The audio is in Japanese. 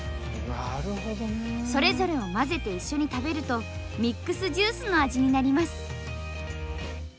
それぞれを混ぜて一緒に食べるとミックスジュースの味になります。